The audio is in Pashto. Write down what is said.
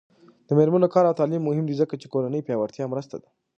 د میرمنو کار او تعلیم مهم دی ځکه چې کورنۍ پیاوړتیا مرسته ده.